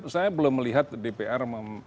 saya belum melihat dpr